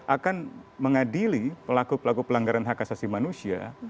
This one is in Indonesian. akan mengadili pelaku pelaku pelanggaran hak asasi manusia